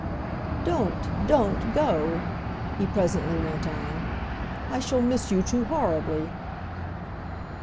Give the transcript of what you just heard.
"Don't, don't go!" he presently went on. "I shall miss you too horribly!"